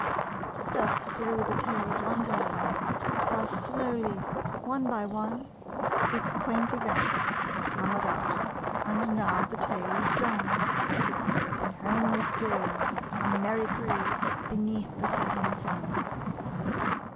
Thus grew the tale of Wonderland: Thus slowly, one by one, Its quaint events were hammered out And now the tale is done, And home we steer, a merry crew, Beneath the setting sun.